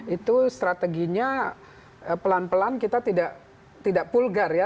itu strateginya pelan pelan kita tidak pulgar ya